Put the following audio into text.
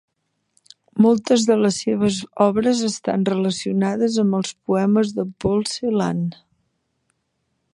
Moltes de les seves obres estan relacionades amb els poemes de Paul Celan.